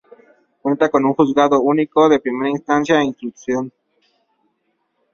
Cuenta con un Juzgado único de Primera Instancia e Instrucción.